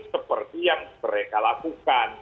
seperti yang mereka lakukan